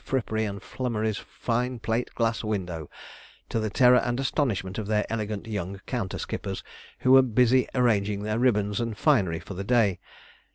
Frippery and Flummery's fine plate glass window, to the terror and astonishment of their elegant young counter skippers, who were busy arranging their ribbons and finery for the day.